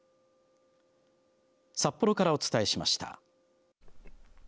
札幌からお伝えしました。